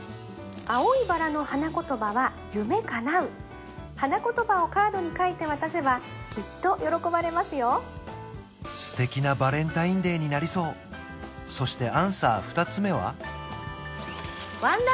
青いバラの花言葉は夢かなう花言葉をカードに書いて渡せばきっと喜ばれますよ素敵なバレンタインデーになりそうそしてアンサー２つ目は？